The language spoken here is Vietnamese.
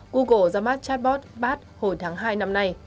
google ra mắt chatbot bat hồi tháng hai năm nay